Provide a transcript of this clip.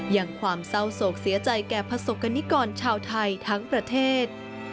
ยังความเศร้าโศกเสียใจแก่ประสบกรณิกรชาวไทยทั้งประเทศ